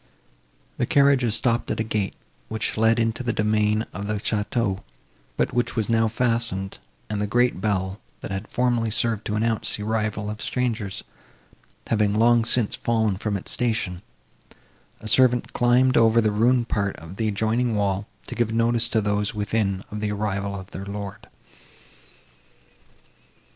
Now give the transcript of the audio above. The carriages stopped at a gate, which led into the domain of the château, but which was now fastened; and the great bell, that had formerly served to announce the arrival of strangers, having long since fallen from its station, a servant climbed over a ruined part of the adjoining wall, to give notice to those within of the arrival of their lord.